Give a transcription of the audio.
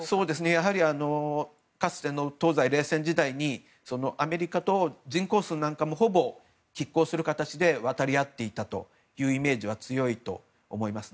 やはりかつての東西冷戦時代にアメリカと人口数なんかもほぼ拮抗する形で渡り合っていたというイメージは強いと思います。